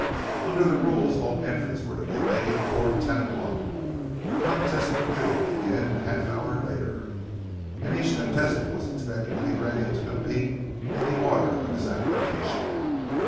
Under the rules, all entries were to be made before ten o'clock. The contests were due to begin half an hour later, and each contestant was expected to be ready to compete in the order of his application.